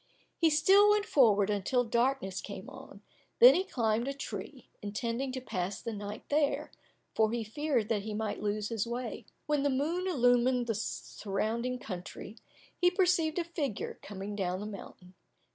He still went forward, until darkness came on, then he climbed a tree, intending to pass the night there, for he feared that he might lose his way. When the moon illumined the surrounding country he perceived a figure coming down the mountain.